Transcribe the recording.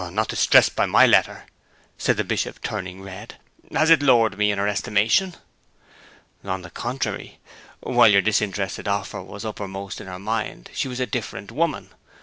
'Not distressed by my letter?' said the Bishop, turning red. 'Has it lowered me in her estimation?' 'On the contrary; while your disinterested offer was uppermost in her mind she was a different woman.